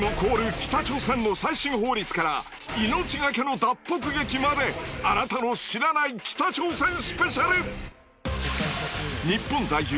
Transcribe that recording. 北朝鮮の最新法律から命がけの脱北劇まであなたの知らない北朝鮮スペシャル。